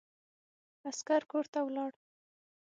عسکر کورته ولاړ.